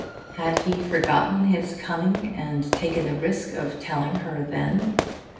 Had he forgotten his cunning and taken the risk of telling her then?